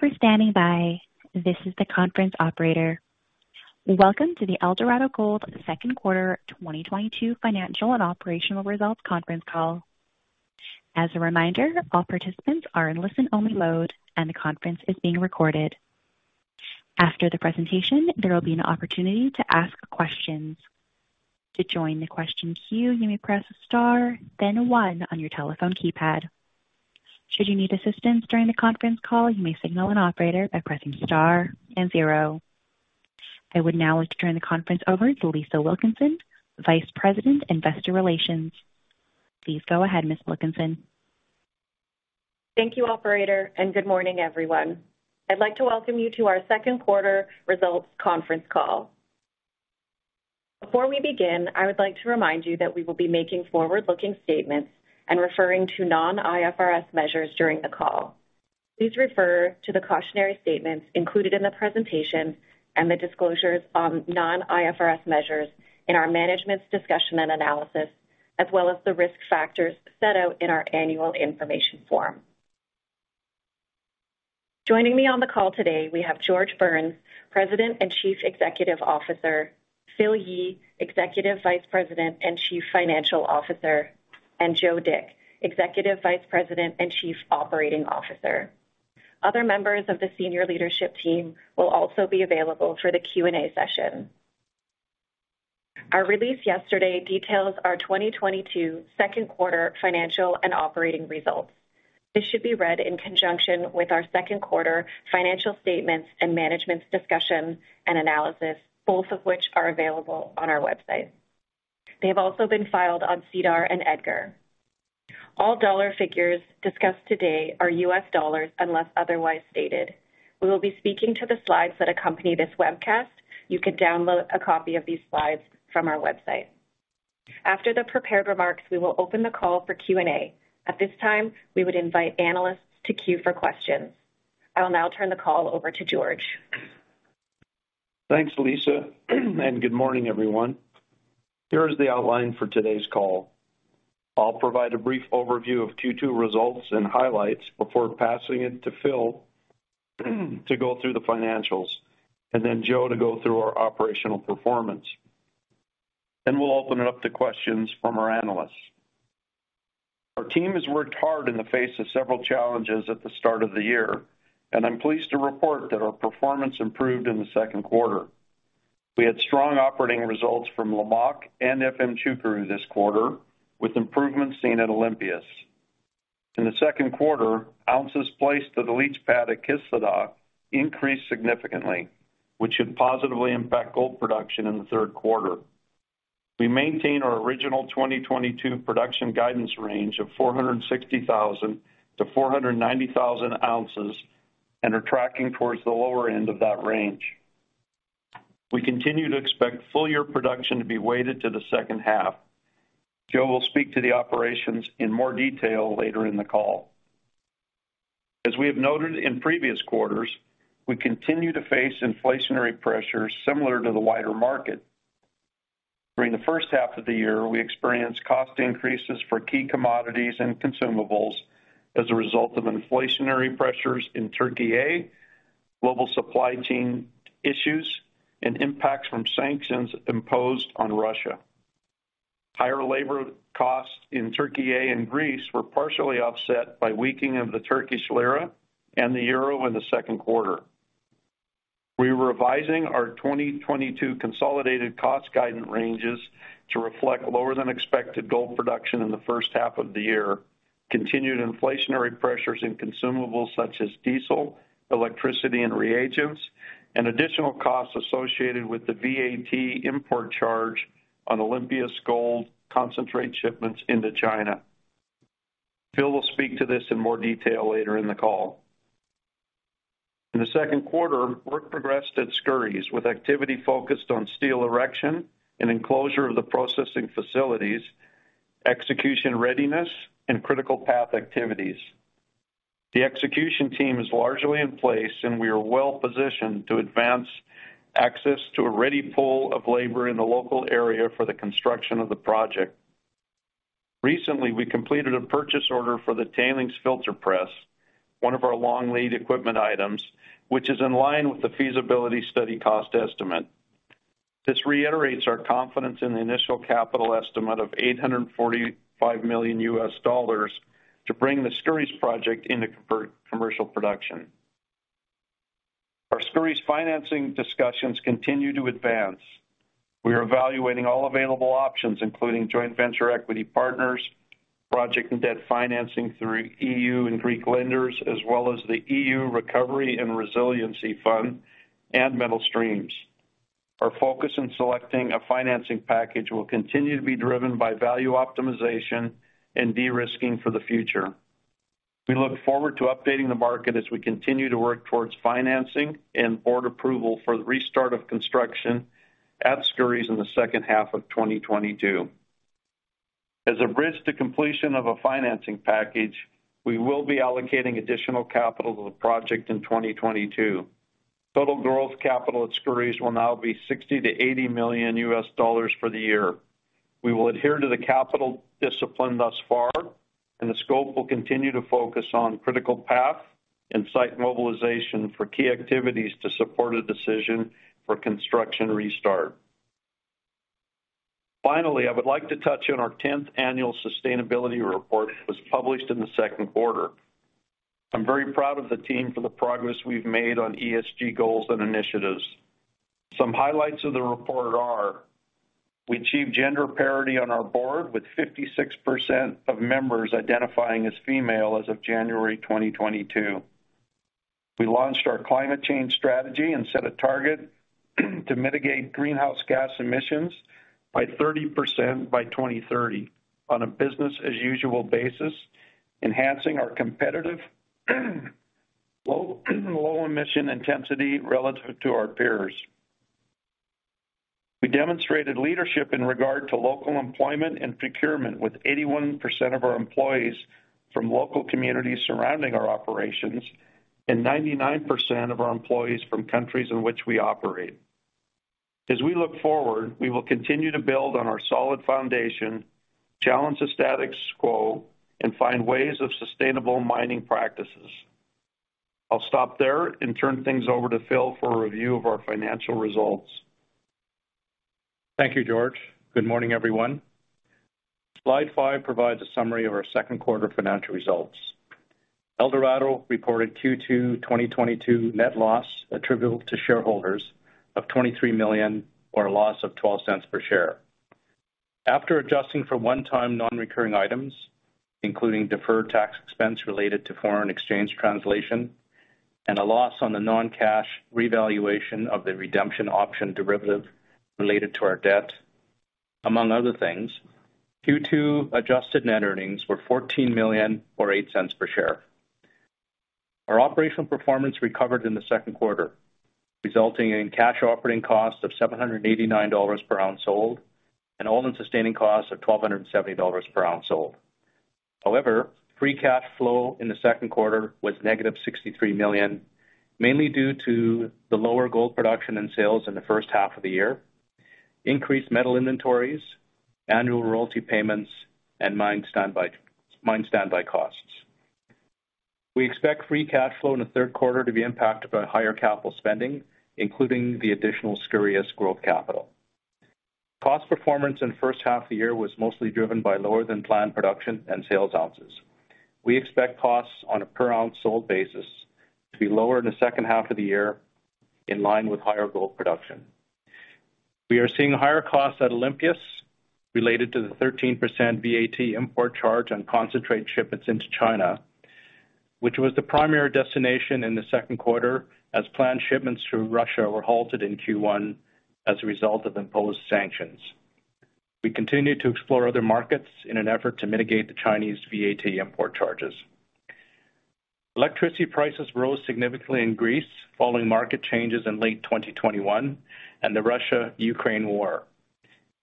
Thank you for standing by. This is the conference operator. Welcome to the Eldorado Gold second quarter 2022 financial and operational results conference call. As a reminder, all participants are in listen-only mode, and the conference is being recorded. After the presentation, there will be an opportunity to ask questions. To join the question queue, you may press star then one on your telephone keypad. Should you need assistance during the conference call, you may signal an operator by pressing star and zero. I would now like to turn the conference over to Lisa Wilkinson, Vice President, Investor Relations. Please go ahead, Ms. Wilkinson. Thank you, operator, and good morning, everyone. I'd like to welcome you to our second quarter results conference call. Before we begin, I would like to remind you that we will be making forward-looking statements and referring to non-IFRS measures during the call. Please refer to the cautionary statements included in the presentation and the disclosures on non-IFRS measures in our management's discussion and analysis, as well as the risk factors set out in our annual information form. Joining me on the call today, we have George Burns, President and Chief Executive Officer, Philip Yee, Executive Vice President and Chief Financial Officer, and Joe Dick, Executive Vice President and Chief Operating Officer. Other members of the senior leadership team will also be available for the Q&A session. Our release yesterday details our 2022 second quarter financial and operating results. This should be read in conjunction with our second quarter financial statements and management's discussion and analysis, both of which are available on our website. They have also been filed on SEDAR and EDGAR. All dollar figures discussed today are U.S. dollars, unless otherwise stated. We will be speaking to the slides that accompany this webcast. You can download a copy of these slides from our website. After the prepared remarks, we will open the call for Q&A. At this time, we would invite analysts to queue for questions. I will now turn the call over to George. Thanks, Lisa, and good morning, everyone. Here is the outline for today's call. I'll provide a brief overview of Q2 results and highlights before passing it to Phil to go through the financials, and then Joe to go through our operational performance. Then we'll open it up to questions from our analysts. Our team has worked hard in the face of several challenges at the start of the year, and I'm pleased to report that our performance improved in the second quarter. We had strong operating results from Lamaque and Efemçukuru this quarter, with improvements seen at Olympias. In the second quarter, ounces placed to the leach pad at Kışladağ increased significantly, which should positively impact gold production in the third quarter. We maintain our original 2022 production guidance range of 460,000-490,000 ounces and are tracking towards the lower end of that range. We continue to expect full-year production to be weighted to the second half. Joe will speak to the operations in more detail later in the call. As we have noted in previous quarters, we continue to face inflationary pressures similar to the wider market. During the first half of the year, we experienced cost increases for key commodities and consumables as a result of inflationary pressures in Türkiye, global supply chain issues, and impacts from sanctions imposed on Russia. Higher labor costs in Türkiye and Greece were partially offset by weakening of the Turkish lira and the euro in the second quarter. We're revising our 2022 consolidated cost guidance ranges to reflect lower than expected gold production in the first half of the year, continued inflationary pressures in consumables such as diesel, electricity, and reagents, and additional costs associated with the VAT import charge on Olympias gold concentrate shipments into China. Phil will speak to this in more detail later in the call. In the second quarter, work progressed at Skouries, with activity focused on steel erection and enclosure of the processing facilities, execution readiness, and critical path activities. The execution team is largely in place, and we are well-positioned to advance access to a ready pool of labor in the local area for the construction of the project. Recently, we completed a purchase order for the tailings filter press, one of our long lead equipment items, which is in line with the feasibility study cost estimate. This reiterates our confidence in the initial capital estimate of $845 million to bring the Skouries project into commercial production. Our Skouries financing discussions continue to advance. We are evaluating all available options, including joint venture equity partners, project and debt financing through EU and Greek lenders, as well as the EU Recovery and Resiliency Fund and metal streams. Our focus in selecting a financing package will continue to be driven by value optimization and de-risking for the future. We look forward to updating the market as we continue to work towards financing and board approval for the restart of construction at Skouries in the second half of 2022. As a bridge to completion of a financing package, we will be allocating additional capital to the project in 2022. Total growth capital at Skouries will now be $60 million-$80 million for the year. We will adhere to the capital discipline thus far, and the scope will continue to focus on critical path and site mobilization for key activities to support a decision for construction restart. Finally, I would like to touch on our 10th annual sustainability report that was published in the second quarter. I'm very proud of the team for the progress we've made on ESG goals and initiatives. Some highlights of the report are: We achieved gender parity on our board, with 56% of members identifying as female as of January 2022. We launched our climate change strategy and set a target to mitigate greenhouse gas emissions by 30% by 2030 on a business-as-usual basis, enhancing our competitive low emission intensity relative to our peers. We demonstrated leadership in regard to local employment and procurement, with 81% of our employees from local communities surrounding our operations, and 99% of our employees from countries in which we operate. As we look forward, we will continue to build on our solid foundation, challenge the status quo, and find ways of sustainable mining practices. I'll stop there and turn things over to Phil for a review of our financial results. Thank you, George. Good morning, everyone. Slide five provides a summary of our second quarter financial results. Eldorado reported Q2 2022 net loss attributable to shareholders of $23 million or a loss of $0.12 per share. After adjusting for one-time non-recurring items, including deferred tax expense related to foreign exchange translation and a loss on the non-cash revaluation of the redemption option derivative related to our debt, among other things, Q2 adjusted net earnings were $14 million or $0.08 per share. Our operational performance recovered in the second quarter, resulting in cash operating costs of $789 per ounce sold and all-in sustaining costs of $1,270 per ounce sold. However, free cash flow in the second quarter was -$63 million, mainly due to the lower gold production and sales in the first half of the year, increased metal inventories, annual royalty payments, and mine standby costs. We expect free cash flow in the third quarter to be impacted by higher capital spending, including the additional Skouries growth capital. Cost performance in the first half of the year was mostly driven by lower than planned production and sales ounces. We expect costs on a per-ounce sold basis to be lower in the second half of the year, in line with higher gold production. We are seeing higher costs at Olympias related to the 13% VAT import charge on concentrate shipments into China, which was the primary destination in the second quarter, as planned shipments through Russia were halted in Q1 as a result of imposed sanctions. We continue to explore other markets in an effort to mitigate the Chinese VAT import charges. Electricity prices rose significantly in Greece following market changes in late 2021 and the Russia-Ukraine war.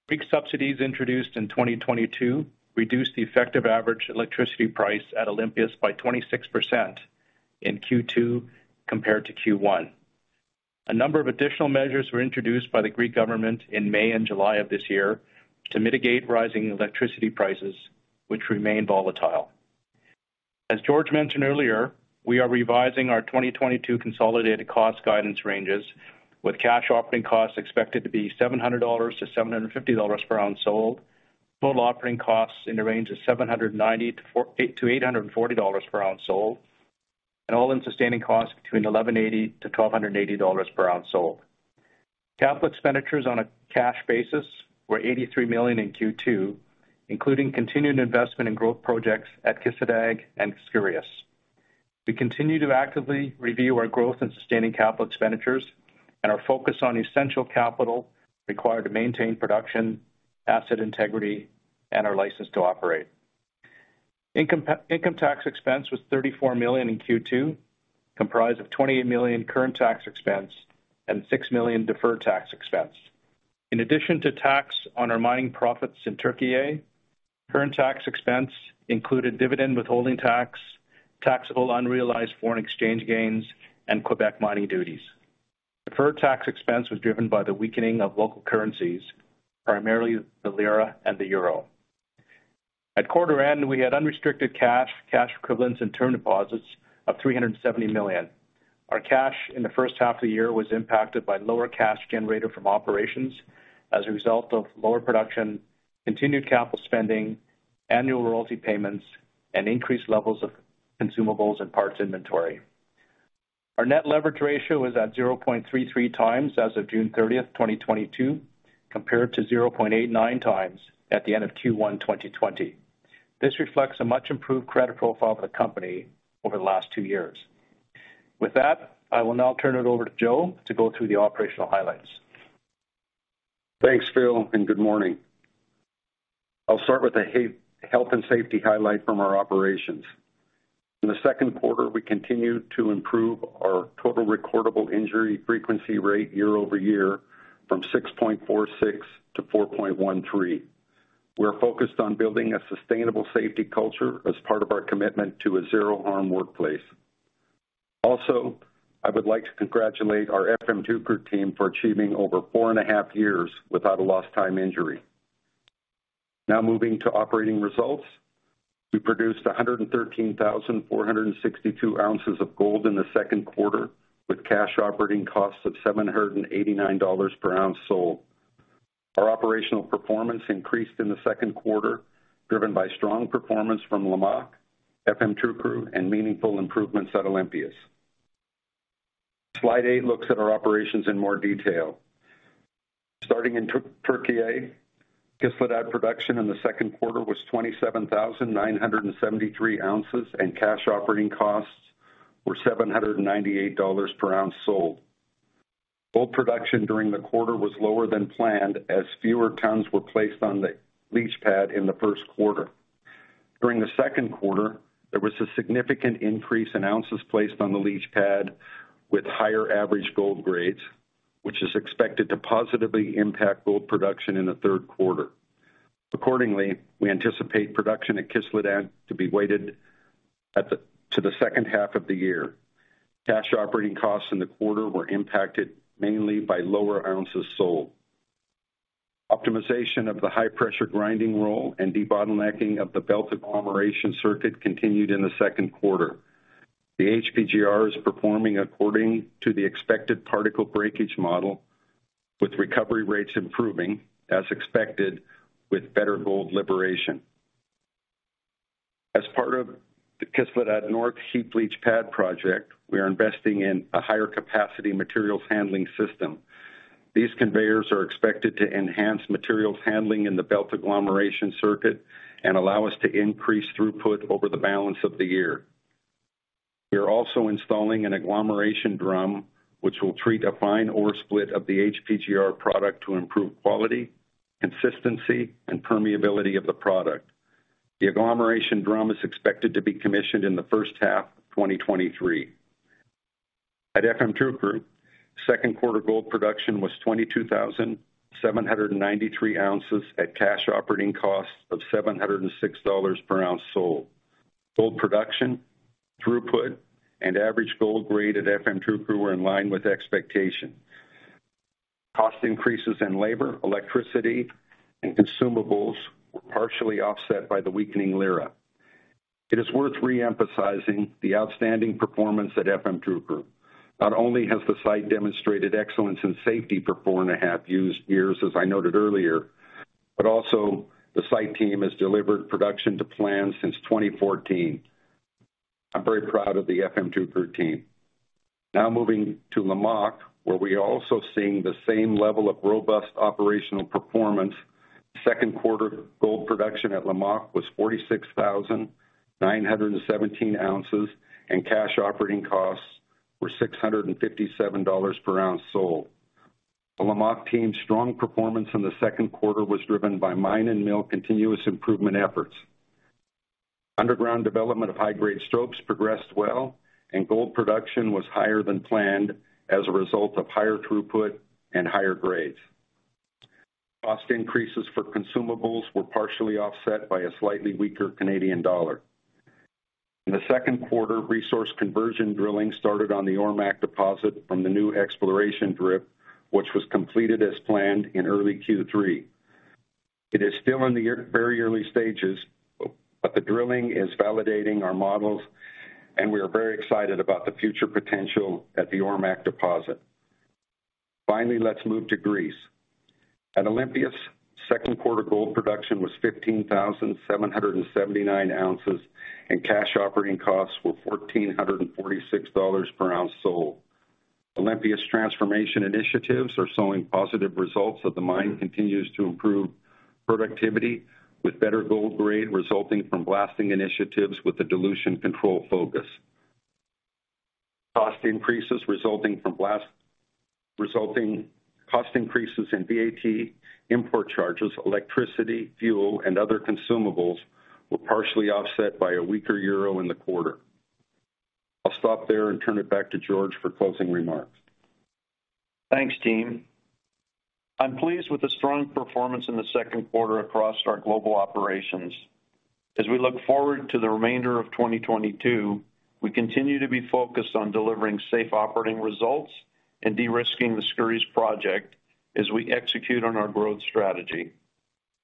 Greek subsidies introduced in 2022 reduced the effective average electricity price at Olympias by 26% in Q2 compared to Q1. A number of additional measures were introduced by the Greek government in May and July of this year to mitigate rising electricity prices, which remain volatile. As George mentioned earlier, we are revising our 2022 consolidated cost guidance ranges, with cash operating costs expected to be $700-$750 per ounce sold. Total operating costs in the range of $790-$840 per ounce sold, and all-in sustaining costs between $1,180-$1,280 per ounce sold. Capital expenditures on a cash basis were $83 million in Q2, including continued investment in growth projects at Kışladağ and Skouries. We continue to actively review our growth and sustaining capital expenditures and are focused on essential capital required to maintain production, asset integrity, and our license to operate. Income tax expense was $34 million in Q2, comprised of $28 million current tax expense and $6 million deferred tax expense. In addition to tax on our mining profits in Türkiye, current tax expense included dividend withholding tax, taxable unrealized foreign exchange gains, and Quebec mining duties. Deferred tax expense was driven by the weakening of local currencies, primarily the lira and the euro. At quarter end, we had unrestricted cash equivalents, and term deposits of $370 million. Our cash in the first half of the year was impacted by lower cash generated from operations as a result of lower production, continued capital spending, annual royalty payments, and increased levels of consumables and parts inventory. Our net leverage ratio was at 0.33x as of June 30th, 2022, compared to 0.89x at the end of Q1 2020. This reflects a much-improved credit profile for the company over the last two years. With that, I will now turn it over to Joe to go through the operational highlights. Thanks, Phil, and good morning. I'll start with a Health and Safety highlight from our operations. In the second quarter, we continued to improve our total recordable injury frequency rate year-over-year from 6.46 to 4.13. We're focused on building a sustainable safety culture as part of our commitment to a zero-harm workplace. I would like to congratulate our Efemçukuru team for achieving over four and a half years without a lost-time injury. Now moving to operating results. We produced 113,462 oz of gold in the second quarter, with cash operating costs of $789 per ounce sold. Our operational performance increased in the second quarter, driven by strong performance from Lamaque, Efemçukuru, and meaningful improvements at Olympias. Slide eight looks at our operations in more detail. Starting in Türkiye, Kışladağ production in the second quarter was 27,973 oz, and cash operating costs were $798 per ounce sold. Gold production during the quarter was lower than planned as fewer tons were placed on the leach pad in the first quarter. During the second quarter, there was a significant increase in ounces placed on the leach pad with higher average gold grades, which is expected to positively impact gold production in the third quarter. Accordingly, we anticipate production at Kışladağ to be weighted to the second half of the year. Cash operating costs in the quarter were impacted mainly by lower ounces sold. Optimization of the high-pressure grinding roll and debottlenecking of the belt agglomeration circuit continued in the second quarter. The HPGR is performing according to the expected particle breakage model, with recovery rates improving as expected with better gold liberation. As part of the Kışladağ North heap leach pad project, we are investing in a higher-capacity materials handling system. These conveyors are expected to enhance materials handling in the belt agglomeration circuit and allow us to increase throughput over the balance of the year. We are also installing an agglomeration drum, which will treat a fine ore split of the HPGR product to improve quality, consistency, and permeability of the product. The agglomeration drum is expected to be commissioned in the first half of 2023. At Efemçukuru, second quarter gold production was 22,793 oz at cash operating costs of $706 per ounce sold. Gold production, throughput, and average gold grade at Efemçukuru were in line with expectations. Cost increases in labor, electricity, and consumables were partially offset by the weakening lira. It is worth re-emphasizing the outstanding performance at Efemçukuru. Not only has the site demonstrated excellence in safety for 4.5 years, as I noted earlier, but also the site team has delivered production to plan since 2014. I'm very proud of the Efemçukuru team. Now moving to Lamaque, where we are also seeing the same level of robust operational performance. Second quarter gold production at Lamaque was 46,917 oz, and cash operating costs were $657 per ounce sold. The Lamaque team's strong performance in the second quarter was driven by mine and mill continuous improvement efforts. Underground development of high-grade stope progressed well, and gold production was higher than planned as a result of higher throughput and higher grades. Cost increases for consumables were partially offset by a slightly weaker Canadian dollar. In the second quarter, resource conversion drilling started on the Ormaque deposit from the new exploration drift, which was completed as planned in early Q3. It is still in very early stages, but the drilling is validating our models, and we are very excited about the future potential at the Ormaque deposit. Finally, let's move to Greece. At Olympias, second-quarter gold production was 15,779 ounces, and cash operating costs were $1,446 per ounce sold. Olympias' transformation initiatives are showing positive results, that the mine continues to improve productivity, with better gold grade resulting from blasting initiatives with a dilution control focus. Cost increases in VAT, import charges, electricity, fuel, and other consumables were partially offset by a weaker euro in the quarter. I'll stop there and turn it back to George for closing remarks. Thanks, team. I'm pleased with the strong performance in the second quarter across our global operations. As we look forward to the remainder of 2022, we continue to be focused on delivering safe operating results and de-risking the Skouries project as we execute on our growth strategy.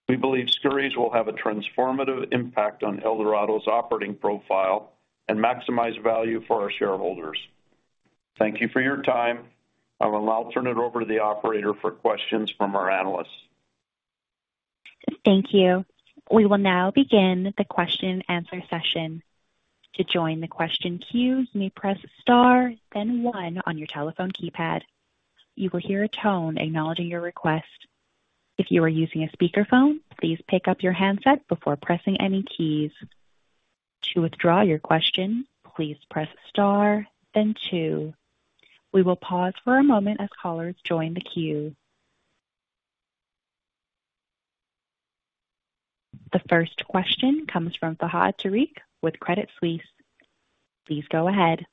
We believe Skouries will have a transformative impact on Eldorado's operating profile and maximize value for our shareholders. Thank you for your time. I will now turn it over to the operator for questions from our analysts. Thank you. We will now begin the question-and-answer session. To join the question queue, you may press star then one on your telephone keypad. You will hear a tone acknowledging your request. If you are using a speakerphone, please pick up your handset before pressing any keys. To withdraw your question, please press star then two. We will pause for a moment as callers join the queue. The first question comes from Fahad Tariq with Credit Suisse. Please go ahead.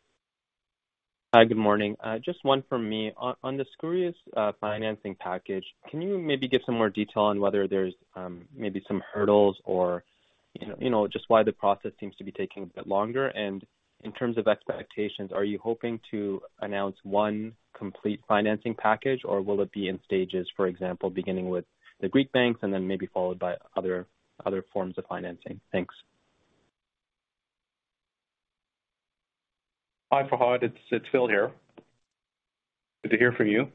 Hi, good morning. Just one for me. On the Skouries financing package, can you maybe give some more details on whether there are maybe some hurdles or, you know, just why the process seems to be taking a bit longer? In terms of expectations, are you hoping to announce one complete financing package or will it be in stages, for example, beginning with the Greek banks and then maybe followed by other forms of financing? Thanks. Hi, Fahad. It's Phil here. Good to hear from you.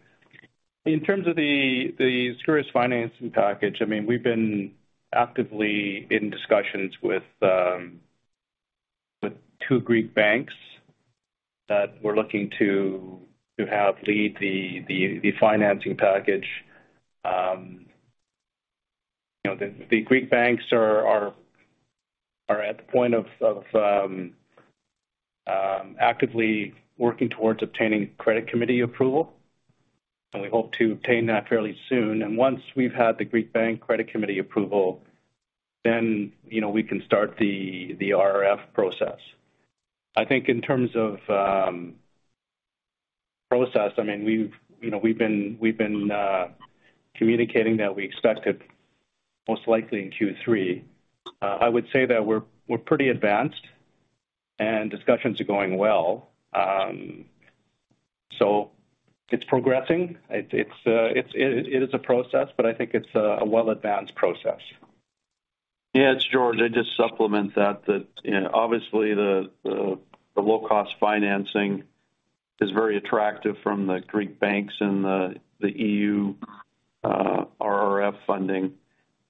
In terms of the Skouries financing package, I mean, we've been actively in discussions with two Greek banks that we're looking to have lead the financing package. You know, the Greek banks are at the point of actively working towards obtaining credit committee approval, and we hope to obtain that fairly soon. Once we've had the Greek banks' credit committee approval, you know, we can start the RRF process. I think in terms of process, I mean, you know, we've been communicating that we expect it most likely in Q3. I would say that we're pretty advanced, and discussions are going well. It's progressing. It is a process, but I think it's a well-advanced process. Yeah, it's George. I just supplement that, you know, obviously, the low-cost financing is very attractive from the Greek banks and the EU RRF funding,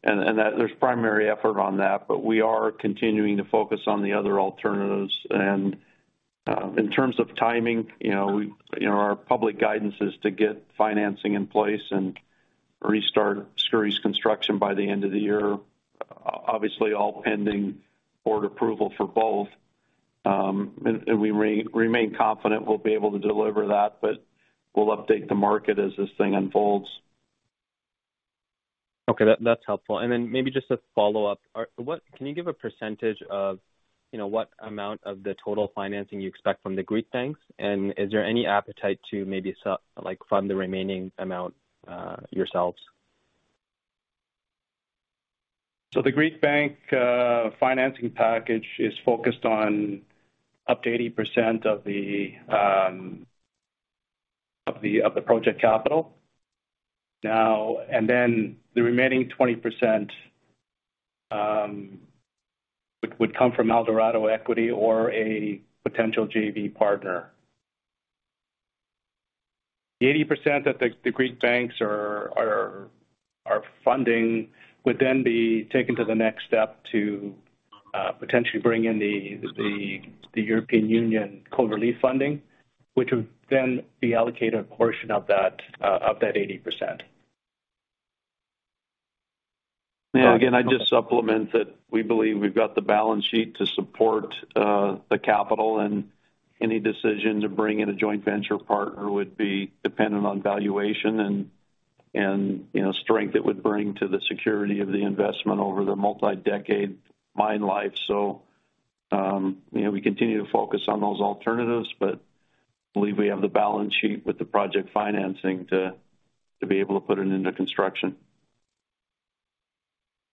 and that there's primary effort on that, but we are continuing to focus on the other alternatives. In terms of timing, you know, we know our public guidance is to get financing in place and restart Skouries construction by the end of the year. Obviously, all pending board approval for both. We remain confident we'll be able to deliver that, but we'll update the market as this thing unfolds. Okay, that's helpful. Maybe just a follow-up. Can you give a percentage of, you know, what amount of the total financing you expect from the Greek banks? Is there any appetite to maybe sell, like, fund the remaining amount, yourselves? The Greek banks' financing package is focused on up to 80% of the project capital. The remaining 20% would come from Eldorado Equity or a potential JV partner. The 80% that the Greek banks are funding would then be taken to the next step to potentially bring in the European Union COVID relief funding, which would then be allocated a portion of that 80%. Again, I just supplement that we believe we've got the balance sheet to support the capital, and any decision to bring in a joint venture partner would be dependent on valuation, and you know, strength it would bring to the security of the investment over the multi-decade mine life. We continue to focus on those alternatives but believe we have the balance sheet with the project financing to be able to put it into construction.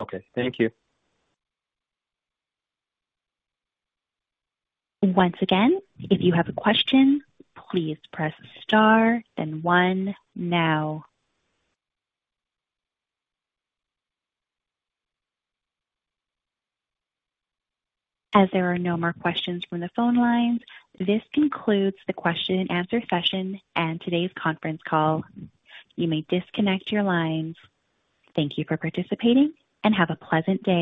Okay. Thank you. Once again, if you have a question, please press star then one now. As there are no more questions from the phone lines, this concludes the question-and-answer session and today's conference call. You may disconnect your lines. Thank you for participating, and have a pleasant day.